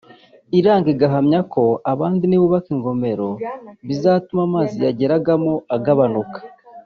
iranga igahamya ko abandi nibubaka ingomero bizatuma amazi yayigeragamo agabanuka